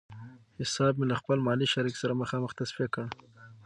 حساب مې له خپل مالي شریک سره مخامخ تصفیه کړ.